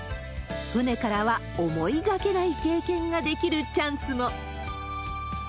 船からは思いがけない経験ができるチャンスも。